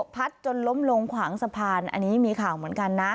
พัดจนล้มลงขวางสะพานอันนี้มีข่าวเหมือนกันนะ